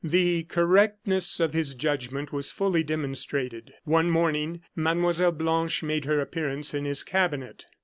The correctness of his judgment was fully demonstrated. One morning Mlle. Blanche made her appearance in his cabinet.